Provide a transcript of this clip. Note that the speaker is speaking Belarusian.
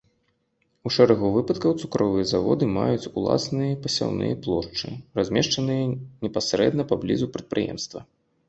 У шэрагу выпадкаў цукровыя заводы маюць уласныя пасяўныя плошчы, размешчаныя непасрэдна паблізу прадпрыемства.